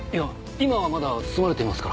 今はまだ包まれていますから。